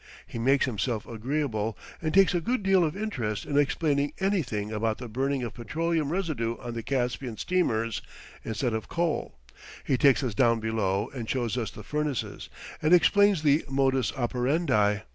He makes himself agreeable, and takes a good deal of interest in explaining anything about the burning of petroleum residue on the Caspian steamers, instead of coal. He takes us down below and shows us the furnaces, and explains the modus operandi.